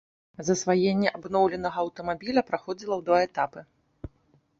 Засваенне абноўленага аўтамабіля праходзіла ў два этапы.